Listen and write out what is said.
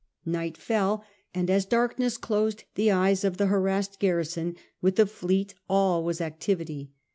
Night fell, and as darkness closed the eyes of the harassed garrison, with the fleet all was activity.